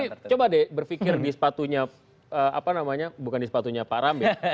tapi coba deh berfikir di sepatunya apa namanya bukan di sepatunya pak rambe